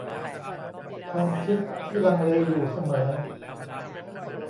ความคิดที่ลังเลอยู่เสมอ